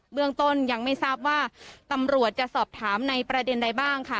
เมืองต้นยังไม่ทราบว่าตำรวจจะสอบถามในประเด็นใดบ้างค่ะ